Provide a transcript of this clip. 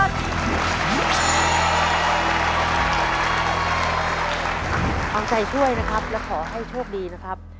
เอาใจช่วยนะครับและขอให้โชคดีนะครับ